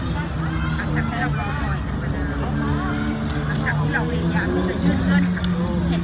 สิ่งที่เรายืนครับทุกครั้งในคุณีอักษรที่เติมโต๊ะต่างที่ให้สามารถปัดเงือน